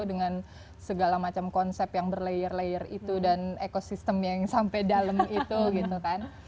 dengan segala macam konsep yang berlayer layer itu dan ekosistem yang sampai dalam itu gitu kan